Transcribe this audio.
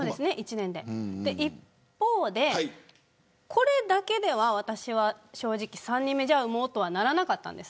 一方で、これだけでは私は正直３人目、産もうとはならなかったんです。